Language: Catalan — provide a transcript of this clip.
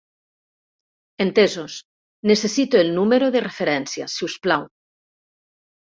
Entesos, necessito el número de referència, si us plau.